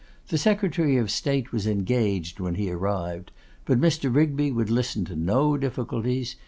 The Secretary of State was engaged when he arrived; but Mr. Rigby would listen to no difficulties.